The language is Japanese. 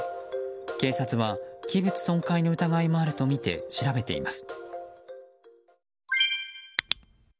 警察は、器物損壊の疑いもあるとみて、調べています。